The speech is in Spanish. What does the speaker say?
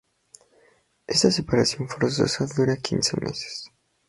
Esta separación forzosa dura quince meses.